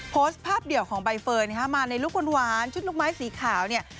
โพสต์ภาพเดี่ยวของใบเฟิร์นมาในลูกหวานชุดลูกไม้สีขาวเนี่ย